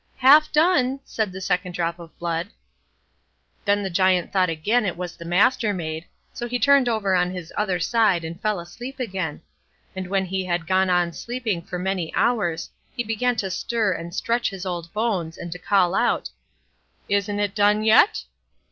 "Half done", said the second drop of blood. Then the Giant thought again it was the Mastermaid, so he turned over on his other side, and fell asleep again; and when he had gone on sleeping for many hours, he began to stir and stretch his old bones, and to call out,— "Isn't it done yet?"